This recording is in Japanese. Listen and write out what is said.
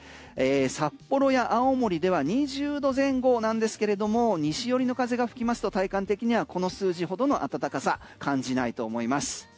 札幌や青森では２０度前後なんですけれども西寄りの風が吹きますと体感的にはこの数字ほどの暖かさ感じないと思います。